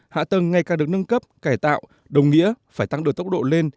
hạ tầng ngày càng được nâng cấp cải tạo đồng nghĩa phải tăng đột tốc độ lên